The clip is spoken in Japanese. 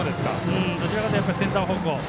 どちらかというとやっぱりセンター方向。